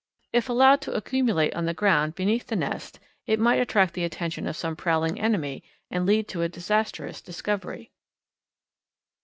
If allowed to accumulate on the ground beneath the nest it might attract the attention of some prowling enemy and lead to a disastrous discovery.